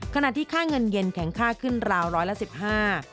ขณะที่ค่าเงินเย็นแข็งค่าขึ้นราวร้อยละสิบห้า